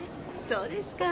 そうですか。